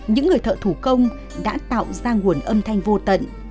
những người thợ thủ công đã tạo ra nguồn âm thanh vô tận